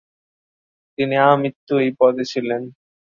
তিনি আমৃত্যু এই পদে ছিলেন।